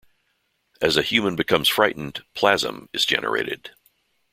As a human becomes frightened, Plasm is generated.